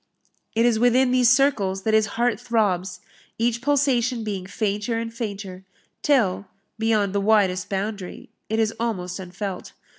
It is within these circles that his heart throbs, each pulsation being fainter and fainter, till, beyond the widest boundary, it is almost unfelt.